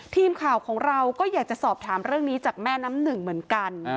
ทีมข่าวของเราก็อยากจะสอบถามเรื่องนี้จากแม่น้ำหนึ่งเหมือนกัน